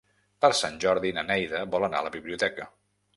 Per Sant Jordi na Neida vol anar a la biblioteca.